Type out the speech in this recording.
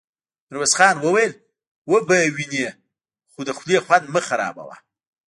ميرويس خان وويل: وبه يې وينې، خو د خولې خوند مه خرابوه!